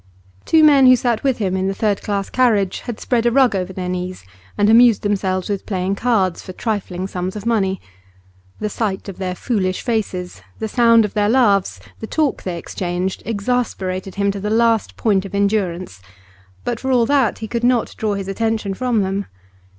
Two men who sat with him in the third class carriage had spread a rug over their knees and amused themselves with playing cards for trifling sums of money; the sight of their foolish faces, the sound of their laughs, the talk they interchanged, exasperated him to the last point of endurance; but for all that he could not draw his attention from them.